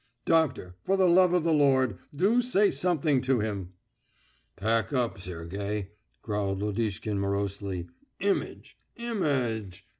Doctor, for the love of the Lord, do say something to him!" "Pack up, Sergey," growled Lodishkin morosely. "Image, im a age....